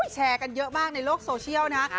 แชร์กันเยอะมากในโลกโซเชียลนะฮะ